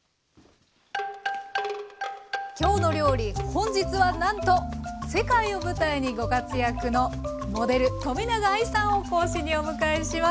本日はなんと世界を舞台にご活躍のモデル冨永愛さんを講師にお迎えします。